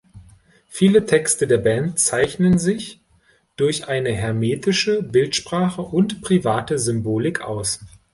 Viele Texte der Band zeichnen sich durch eine hermetische Bildsprache und private Symbolik aus.